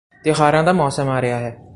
ਤਿਓਹਾਰਾਂ ਦਾ ਮੌਸਮ ਆ ਰਿਹਾ ਹੈ